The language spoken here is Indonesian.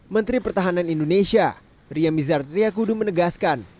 menteri pertahanan indonesia ria mizar triakudu menegaskan